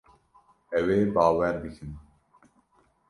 Ew ê bawer bikin.